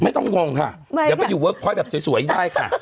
ไม่ต้องงงค่ะเดี๋ยวอายุท้ายสวยได้ค่ะ